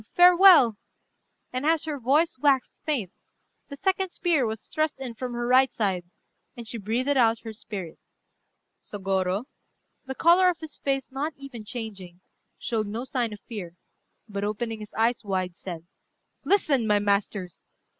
farewell!" and as her voice waxed faint, the second spear was thrust in from her right side, and she breathed out her spirit. Sôgorô, the colour of his face not even changing, showed no sign of fear, but opening his eyes wide, said "Listen, my masters!